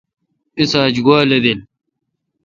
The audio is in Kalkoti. اِس آج گوا لدیل۔